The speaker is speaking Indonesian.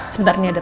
sebentar ini ada